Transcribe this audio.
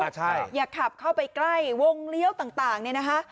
ใช่อย่าขับเข้าไปใกล้วงเลี้ยวต่างเนี่ยนะคะ